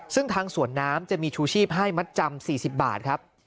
ซึ่งทางสวนน้ำจะมีชูชีพให้มัดจำ๔๐บาทครับ